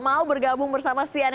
mau bergabung bersama si anen